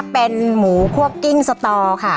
เป็นหมูควบกิ้งสตอค่ะ